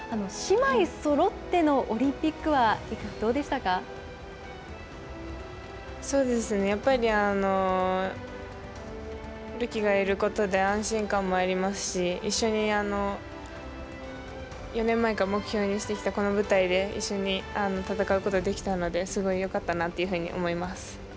姉妹そろってのオリンピックはどやっぱり、るきがいることで、安心感もありますし、一緒に４年前から目標にしてきたこの舞台で、一緒に戦うことができたので、すごいよかったなというふうに思います。